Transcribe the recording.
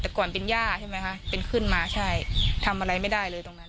แต่ก่อนเป็นย่าใช่ไหมคะเป็นขึ้นมาใช่ทำอะไรไม่ได้เลยตรงนั้น